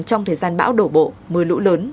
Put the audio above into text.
trong thời gian bão đổ bộ mưa lũ lớn